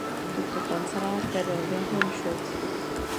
Tuto kancelář vedl Wilhelm Schultze.